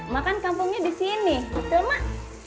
makan kampungnya di sini betul mbak